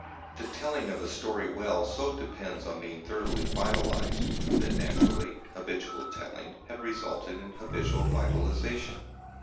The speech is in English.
The telling of a story well so depends on being thoroughly vitalised that, naturally, habitual telling had resulted in habitual vitalisation.